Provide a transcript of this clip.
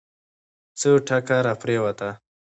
څه ټکه راپرېوته.